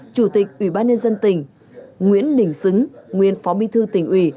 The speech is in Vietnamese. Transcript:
chủ tịch ủy ban nhân dân tỉnh nguyễn đình xứng nguyên phó bí thư tỉnh ủy